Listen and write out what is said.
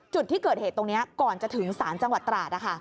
จุดที่เกิดเหตุตรงนี้ก่อนจะถึงศาลจังหวัดตราด